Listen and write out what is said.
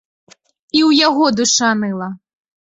І ў яго душа ныла.